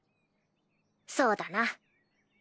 そうだな。